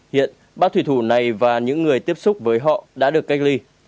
hiện ba thủy thủ này và những người tiếp xúc với họ đã được cách ly